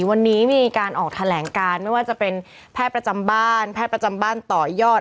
วันนี้มีการออกแถลงการไม่ว่าจะเป็นแพทย์ประจำบ้านแพทย์ประจำบ้านต่อยอด